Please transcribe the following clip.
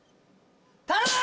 頼む！